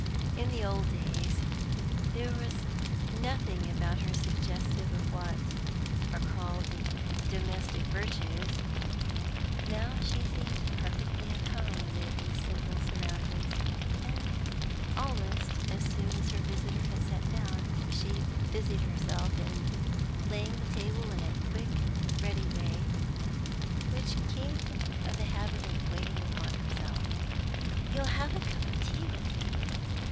In the old days, there was nothing about her suggestive of what are called the domestic virtues; now she seemed perfectly at home amid these simple surroundings, and, almost as soon as her visitor had sat down, she busied herself in laying the table in a quick, ready way, which came of the habit of waiting upon herself. "You'll have a cup of tea with me?"